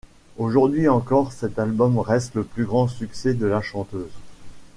Aujourd'hui encore, cet album reste le plus grand succès de la chanteuse.